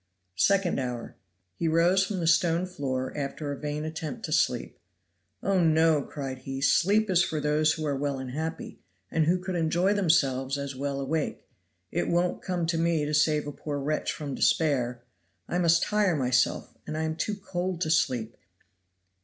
Second hour. He rose from the stone floor after a vain attempt to sleep. "Oh, no!" cried he, "sleep is for those who are well and happy, and who could enjoy themselves as well awake; it won't come to me to save a poor wretch from despair. I must tire myself, and I am too cold to sleep.